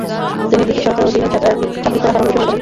তিনি ব্রিটিশ সরকারের অধীনে চাকরি করা হারাম ঘোষণা করেন।